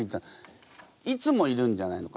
いつもいるんじゃないの？